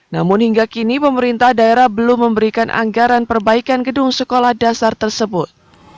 namun hingga kini pemerintah daerah belum memberikan anggaran perbaikan gedung sekolah dasar tersebut